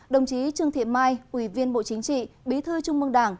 đồng chí trương thị mai ủy viên bộ chính trị bí thư trung mương đảng